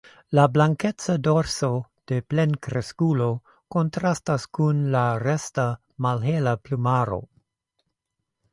La blankeca dorso de plenkreskulo kontrastas kun la resta malhela plumaro.